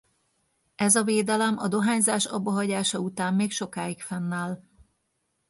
Ez a védelem a dohányzás abbahagyása után még sokáig fennáll.